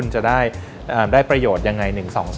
จะได้ประโยชน์ยังไง